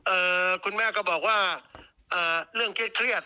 คุณแม่ก็บอกว่าอ่าเรื่องเครียดเครียด